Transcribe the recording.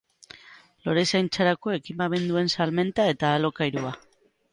Lorezaintzarako ekipamenduen salmenta eta alokairua.